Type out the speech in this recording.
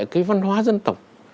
cái văn hóa dân tộc